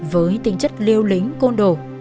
với tinh chất liêu lính côn đồ